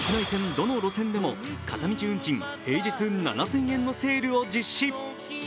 どの路線でも片道運賃平日７０００円のセールを実施。